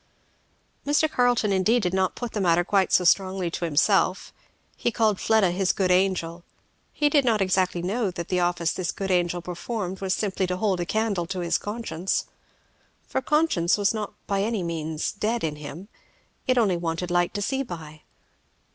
Mr. Carleton indeed did not put the matter quite so strongly to himself. He called Fleda his good angel. He did not exactly know that the office this good angel performed was simply to hold a candle to his conscience. For conscience was not by any means dead in him; it only wanted light to see by.